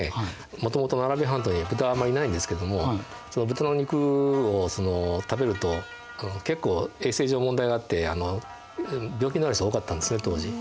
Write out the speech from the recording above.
もともとアラビア半島には豚はあんまりいないんですけども豚の肉を食べると結構衛生上問題があって病気になる人が多かったんですね当時。